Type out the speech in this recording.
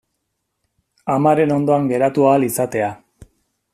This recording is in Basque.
Amaren ondoan geratu ahal izatea.